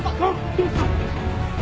どうした！？